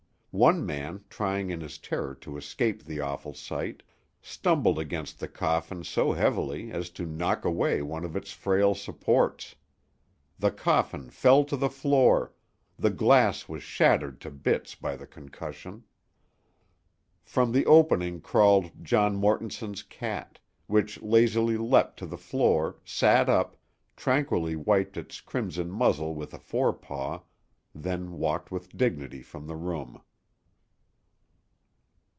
One man, trying in his terror to escape the awful sight, stumbled against the coffin so heavily as to knock away one of its frail supports. The coffin fell to the floor, the glass was shattered to bits by the concussion. From the opening crawled John Mortonson's cat, which lazily leapt to the floor, sat up, tranquilly wiped its crimson muzzle with a forepaw, then walked with dignity from the room.